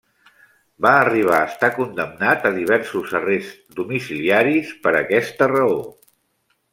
Va arribar a estar condemnat a diversos arrests domiciliaris per aquesta raó.